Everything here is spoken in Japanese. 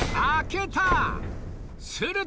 すると！